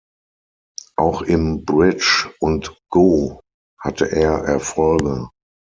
Auch im Bridge und Go hatte er Erfolge.